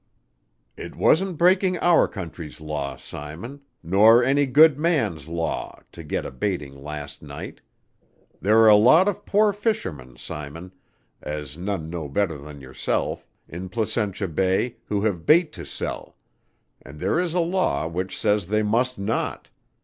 "It wasn't breaking our country's law, Simon, nor any good man's law, to get a baiting last night. There are a lot of poor fishermen, Simon as none know better than yourself in Placentia Bay who have bait to sell, and there is a law which says they must not.